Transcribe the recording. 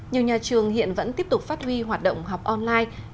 nhiều nhà trường hiện vẫn tiếp tục phát huy hoạt động học online